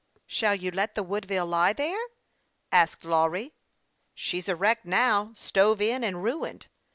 " Shall you let the Woodville lie there ?" asked Lawry. " She's a wreck now, stove in and ruined."